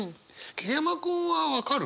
桐山君は分かる？